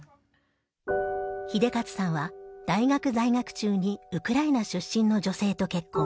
英捷さんは大学在学中にウクライナ出身の女性と結婚。